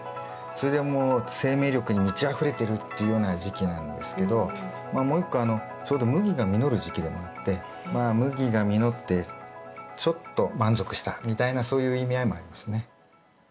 それでもう生命力に満ちあふれてるっていうような時期なんですけどまあもう一個ちょうど麦が実る時期でもあってまあ麦が実ってちょっと満足したみたいなそういう意味合いもありますね。